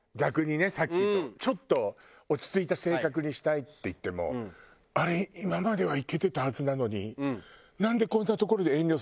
ちょっと落ち着いた性格にしたいっていっても「あれ？今まではいけてたはずなのになんでこんなところで遠慮するの？